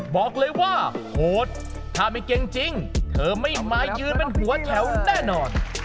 บอกเลยว่าโค้ดถ้าไม่เก่งจริงเธอไม่มายืนเป็นหัวแถวแน่นอน